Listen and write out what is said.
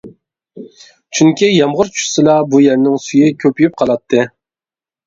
چۈنكى، يامغۇر چۈشسىلا بۇ يەرنىڭ سۈيى كۆپىيىپ قالاتتى.